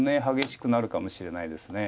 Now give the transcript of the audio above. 激しくなるかもしれないです。